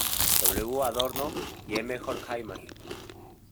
W. Adorno y M. Horkheimer.